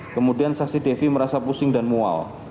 kemudian saksi devi merasa pusing dan mual